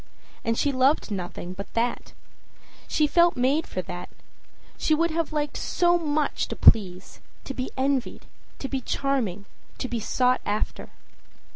And she loved nothing but that. She felt made for that. She would have liked so much to please, to be envied, to be charming, to be sought after.